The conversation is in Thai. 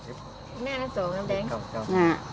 ตอนนี้ก็ไม่มีเวลามาเที่ยวกับเวลา